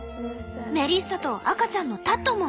メリッサと赤ちゃんのタッドも。